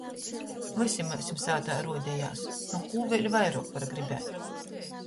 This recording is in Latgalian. Vysim mums sātā ruodejuos – nu kū vēļ vairuok var gribēt!